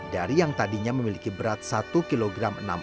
dari yang tadinya memiliki berat satu enam kg